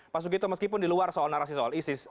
pak sugito meskipun di luar soal narasi soal isis